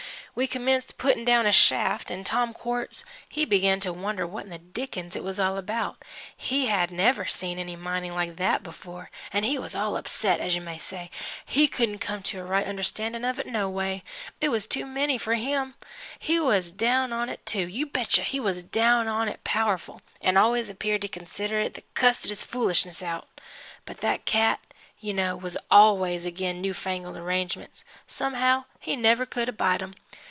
We commenced putt'n' down a shaft, 'n' Tom Quartz he begin to wonder what in the Dickens it was all about. He hadn't ever seen any mining like that before, 'n' he was all upset, as you may say he couldn't come to a right understanding of it no way it was too many for him. He was down on it too, you bet you he was down on it powerful 'n' always appeared to consider it the cussedest foolishness out. But that cat, you know, was always agin new fangled arrangements somehow he never could abide 'em.